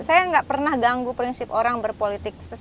saya nggak pernah ganggu prinsip orang berpolitik